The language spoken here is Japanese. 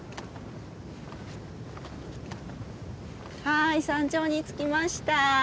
はい山頂に着きました。